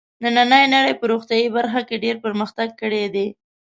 نننۍ نړۍ په روغتیايي برخه کې ډېر پرمختګ کړی دی.